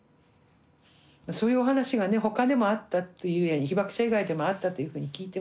そういうお話がね他でもあったというふうに被爆者以外でもあったというふうに聞いてますけど。